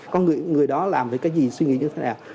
có người đó làm cái gì suy nghĩ như thế nào